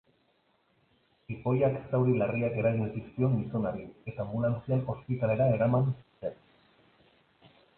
Jipoiak zauri larriak eragin zizkion gizonari eta anbulantzian ospitalera eraman zuten.